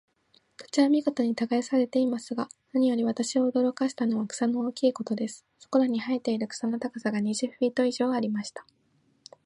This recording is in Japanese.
土地は見事に耕されていますが、何より私を驚かしたのは、草の大きいことです。そこらに生えている草の高さが、二十フィート以上ありました。